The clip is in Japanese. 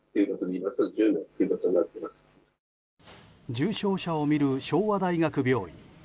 重症者を診る昭和大学病院。